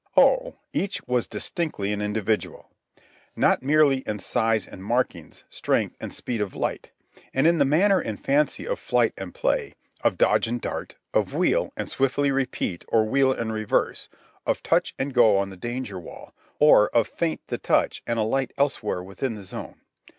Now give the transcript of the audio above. Oh, each was distinctly an individual—not merely in size and markings, strength, and speed of flight, and in the manner and fancy of flight and play, of dodge and dart, of wheel and swiftly repeat or wheel and reverse, of touch and go on the danger wall, or of feint the touch and alight elsewhere within the zone.